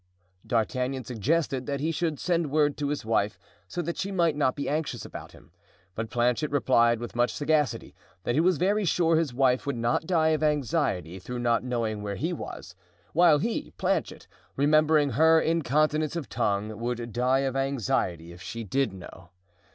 D'Artagnan suggested that he should send word to his wife, so that she might not be anxious about him, but Planchet replied with much sagacity that he was very sure his wife would not die of anxiety through not knowing where he was, while he, Planchet, remembering her incontinence of tongue, would die of anxiety if she did know.